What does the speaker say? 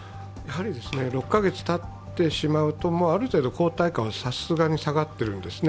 ６カ月たってしまうとある程度、抗体価はさすがに下がっているんですね。